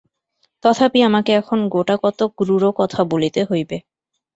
তথাপি আমাকে এখন গোটাকতক রূঢ় কথা বলিতে হইবে।